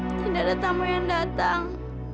tidak ada tamu yang datang